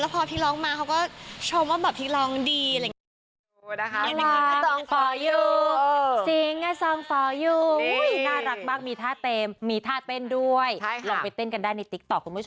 พอพีคร้องมาเขาชมว่าพีคร้องดี